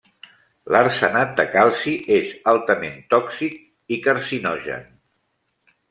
L'arsenat de calci és altament tòxic i carcinogen.